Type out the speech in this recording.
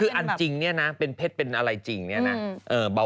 คืออันจริงเนี่ยนะเป็นเพชรเป็นอะไรจริงเนี่ยนะ